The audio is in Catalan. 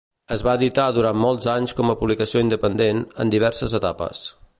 Es va editar durant molts anys com a publicació independent, en diverses etapes.